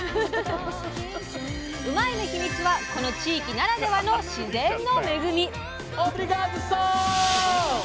うまいッ！のヒミツはこの地域ならではの自然の恵み！